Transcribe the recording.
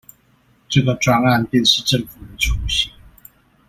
這個專案便是政府的雛形